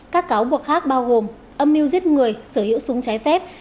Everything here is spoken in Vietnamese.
các cáo buộc khác bao gồm âm mưu giết người sở hữu súng trái phép